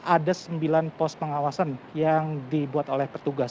ada sembilan pos pengawasan yang dibuat oleh petugas